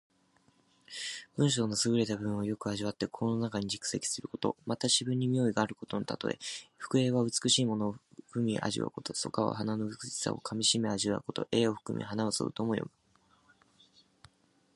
文章のすぐれた部分をよく味わって、心の中に蓄積すること。また、詩文に妙味があることのたとえ。「含英」は美しいものを含み味わうこと。「咀華」は華の美しさを噛みしめ味わうこと。「英を含み花を咀う」とも読む。